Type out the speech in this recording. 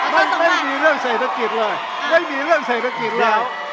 ไม่มีเรื่องเศรษฐกิจเลยไม่มีเรื่องเศรษฐกิจแล้ว